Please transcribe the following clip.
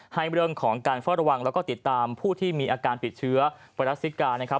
ให้เรื่องของการเฝ้าระวังและติดตามผู้ที่มีอาการติดเชื้อวาลัสซิกา